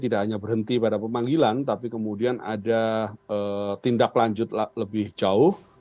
tidak hanya berhenti pada pemanggilan tapi kemudian ada tindak lanjut lebih jauh